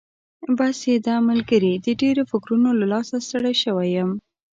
بس یې ده ملګري، د ډېرو فکرونو له لاسه ستړی شوی یم.